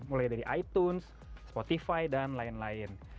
mulai dari iptunes spotify dan lain lain